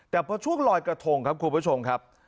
แต่พอช่วงลอยกระทงครับคุณผู้ชมครับ